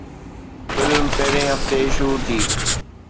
film پهرين هفتي شروع ٿي